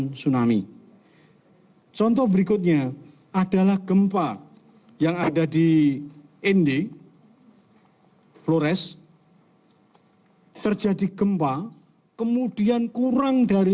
tsunami contoh berikutnya adalah gempa yang ada di ende flores terjadi gempa kemudian kurang dari